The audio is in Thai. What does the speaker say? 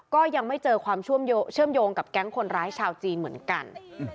ก็ยังไม่เจอความเชื่อมโยงกับแก๊งคนร้ายชาวจีนเหมือนกัน